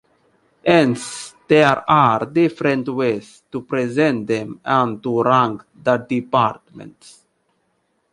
Hence, there are different ways to present them and to rank the departments.